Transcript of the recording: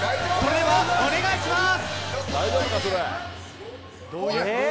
ではお願いします。